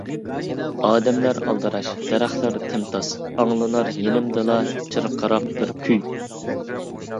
ئادەملەر ئالدىراش، دەرەخلەر تىمتاس، ئاڭلىنار يېنىمدىلا چىرقىراق بىر كۈي.